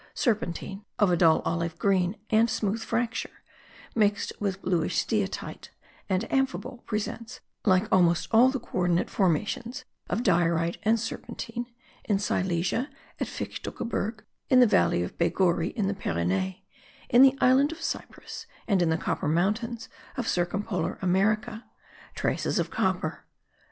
Serpentine, of a dull olive green and smooth fracture, mixed with bluish steatite and amphibole, presents, like almost all the co ordinate formations of diorite and serpentine (in Silesia, at Fichtelgebirge, in the valley of Baigorry, in the Pyrenees, in the island of Cyprus and in the Copper Mountains of circumpolar America),* traces of copper.